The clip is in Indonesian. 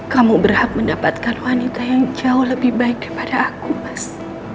kamu berhak mendapatkan wanita yang jauh lebih baik daripada aku mas